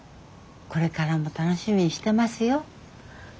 これからも楽しみにしてますよ。